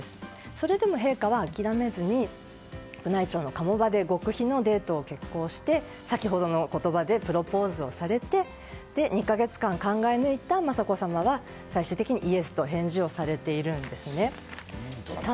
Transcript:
それでも陛下は諦めずに宮内庁の鴨場で極秘のデートを決行して、先ほどの言葉でプロポーズをされて２か月間、考え抜いた雅子さまが最終的にイエスと返事をされているんです。